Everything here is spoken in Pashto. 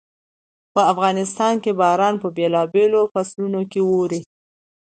په افغانستان کې باران په بېلابېلو فصلونو کې اوري.